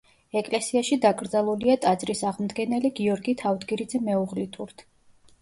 ეკლესიაში დაკრძალულია ტაძრის აღმდგენელი გიორგი თავდგირიძე მეუღლითურთ.